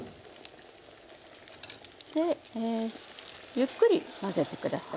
ゆっくり混ぜて下さい。